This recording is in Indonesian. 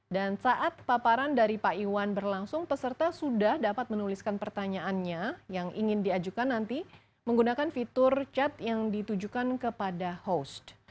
dan saat paparan dari pak iwan berlangsung peserta sudah dapat menuliskan pertanyaannya yang ingin diajukan nanti menggunakan fitur chat yang ditujukan kepada host